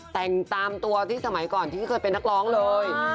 แต่งตามตัวที่สมัยก่อนที่เคยเป็นนักร้องเลย